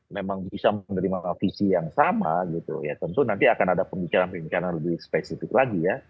memang bisa menerima visi yang sama gitu ya tentu nanti akan ada pembicaraan pembicaraan lebih spesifik lagi ya